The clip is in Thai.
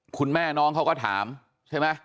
คุณแม่น้องเขาก็ถามใช่ไหม